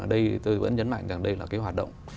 đây tôi vẫn nhấn mạnh rằng đây là cái hoạt động